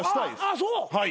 あそう。